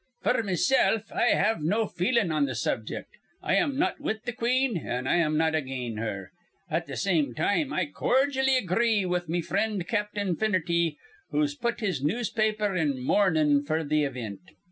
F'r mesilf, I have no feelin' on th' subject. I am not with th' queen an' I'm not again her. At th' same time I corjally agree with me frind Captain Finerty, who's put his newspaper in mournin' f'r th' ivint.